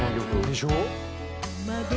「でしょ？」